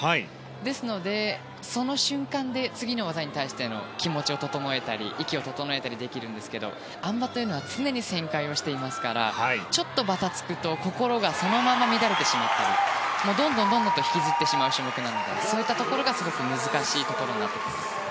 ですので、その瞬間で次の技に対しての気持ちを整えたり息を整えたりできるんですけどあん馬というのは常に旋回していますからちょっとバタつくと心がそのまま乱れてしまったりどんどん引きずってしまう種目なのでそういったところがすごく難しいところかと。